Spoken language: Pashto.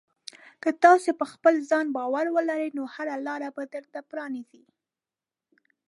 که تاسې په خپل ځان باور ولرئ، نو هره لاره به درته پرانیزي.